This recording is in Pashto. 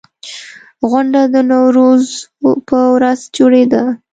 غونډه د نوروز په ورځ جوړېده.